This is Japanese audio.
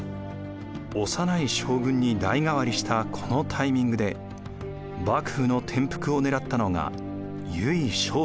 幼い将軍に代替わりしたこのタイミングで幕府の転覆を狙ったのが由井正雪。